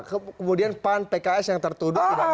kemudian pan pks yang tertuduh